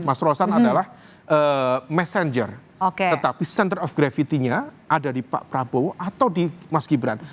mas rosan adalah messenger tetapi center of gravity nya ada di pak prabowo atau di mas gibran